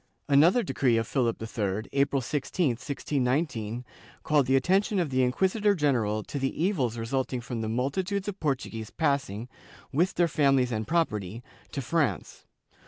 ^ Another decree of Philip III, April 20, 1619, called the attention of the inquisitor general to the evils resulting from the multitudes of Portuguese passing, with their families and property, to France.